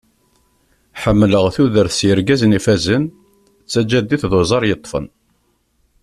Ḥemmleɣ tudert s yergazen ifazen, d tjaddit d uẓar yeṭṭfen.